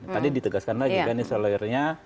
tadi ditegaskan lagi kan ini seorang lawyernya